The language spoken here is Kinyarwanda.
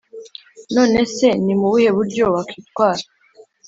None se ni mu buhe buryo wakwitwara